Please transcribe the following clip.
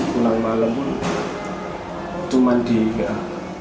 pulang malam pun itu mandi nggak